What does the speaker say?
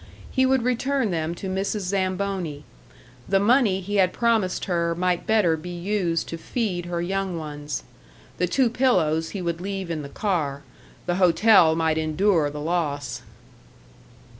He would return them to Mrs. Zamboni. The money he had promised her might better be used to feed her young ones. The two pillows he would leave in the car; the hotel might endure the loss!